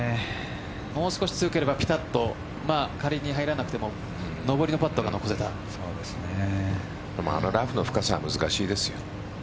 もう少し強ければピタッと仮に入らなくてもあのラフの深さは難しいですよ。